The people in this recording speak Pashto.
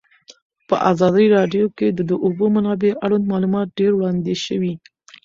په ازادي راډیو کې د د اوبو منابع اړوند معلومات ډېر وړاندې شوي.